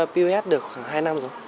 pos được khoảng hai năm rồi